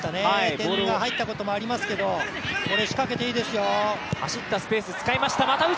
点が入ったこともありますけどこれ、仕掛けていいですよ。